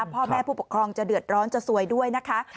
พ่อแม่ผู้ปกครองจะเดือดร้อนจะสวยด้วยนะคะ